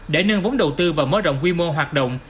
để nâng vốn đầu tư và mở rộng quy mô hoạt động